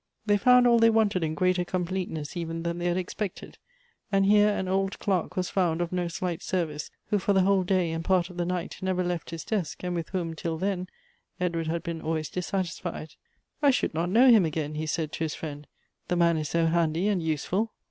They found all they wanted in greater completeness even than they had expected ; and here an old clerk was found of no slight sen'ice, who for the whole day and part of the night never left his desk, and with whom, till then, Edward had been always dissatisfied. Elective Affinities. 33 " I should not know him again," he said to his friend, " the man is so handy and useful."